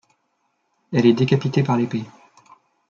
Elle est décapitée par l'épée.